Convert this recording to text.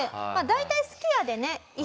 大体すき家でね